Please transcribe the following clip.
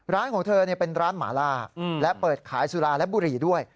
ของเธอเป็นร้านหมาล่าและเปิดขายสุราและบุหรี่ด้วย